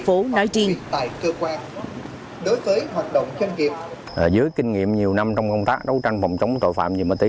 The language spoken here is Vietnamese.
đối với hoạt động kinh nghiệm dưới kinh nghiệm nhiều năm trong công tác đấu tranh phòng chống tội phạm về ma túy